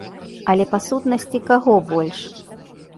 Але па сутнасці каго больш?